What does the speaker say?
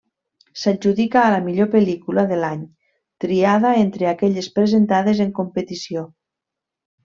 S'adjudica a la millor pel·lícula de l'any, triada entre aquelles presentades en competició.